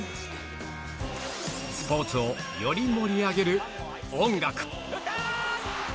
スポーツをより盛り上げる音楽。